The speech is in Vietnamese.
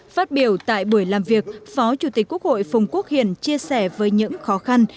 phát biểu tại buổi làm việc phó chủ tịch quốc hội phùng quốc hiển chia sẻ với những khó khăn